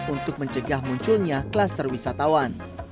untuk mencegah munculnya kluster wisatawan